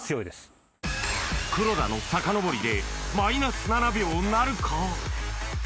黒田の坂上りでマイナス７秒なるか？